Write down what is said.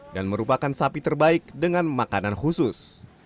dan merupakan sapi terbaik dengan makanan khusus